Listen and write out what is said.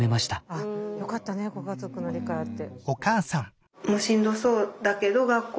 あよかったねご家族の理解あって。